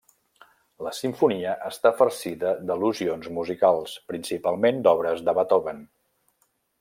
La simfonia està farcida d'al·lusions musicals, principalment d'obres de Beethoven.